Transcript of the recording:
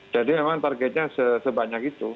jadi memang targetnya sebanyak itu